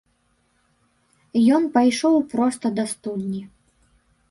Ён пайшоў проста да студні.